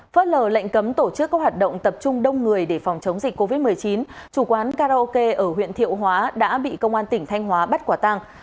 phớt lờ lệnh cấm tổ chức các hoạt động tập trung đông người để phòng chống dịch covid một mươi chín chủ quán karaoke ở huyện thiệu hóa đã bị công an tỉnh thanh hóa bắt quả tàng